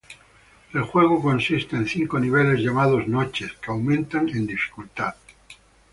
El juego consiste en cinco niveles llamados "noches", que aumentan en dificultad.